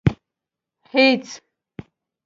هېڅ.